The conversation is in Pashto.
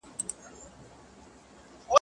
تور مار مه وژنه، تور جت مړ که!